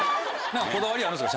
こだわりあるんですか？